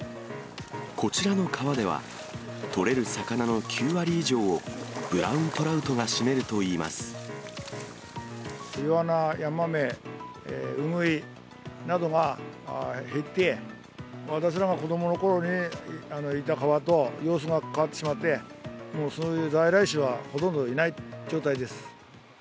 こちらの川では取れる魚の９割以上をブラウントラウトが占めるとイワナ、ヤマメ、ウグイなどが減って、私らが子どものころにいた川と、様子が変わってしまって、もうそういう在来種はほとんどいない状態です。